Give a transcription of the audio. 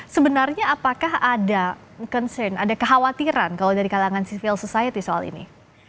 sebenarnya apakah ada concern ada kekhawatiran kalau dari kalangan civil society soal ini